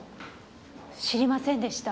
知りませんでした。